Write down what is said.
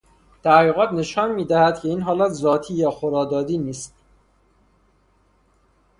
تحقیقات نشان می دهد این حالت ذاتی یا خدادادی نیست